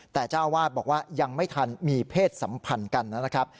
แต่เจ้าอาวาสบอกว่ายังไม่ทันมีเพศสัมพันธ์กันนะครับ